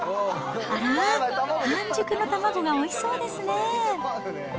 あらっ、半熟の卵がおいしそうですね。